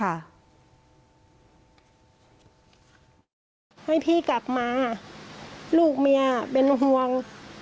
ให้พี่กลับมาลูกเมียเป็นห่วง